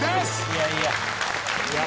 いやいや。